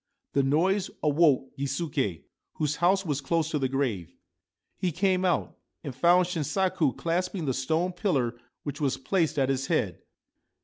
The noise awoke Gisuke, whose house was close to the grave. He came out, and found Shinsaku clasping the stone pillar which was placed at its head.